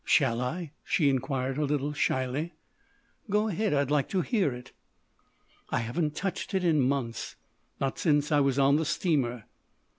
"Shall I?" she inquired a little shyly. "Go ahead. I'd like to hear it!" "I haven't touched it in months—not since I was on the steamer."